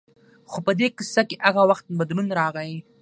خو په دې کیسه کې هغه وخت بدلون راغی.